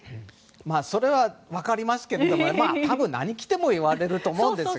それは分かりますけども多分、何を着ても言われると思うんですが。